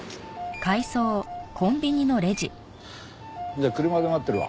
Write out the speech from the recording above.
じゃあ車で待ってるわ。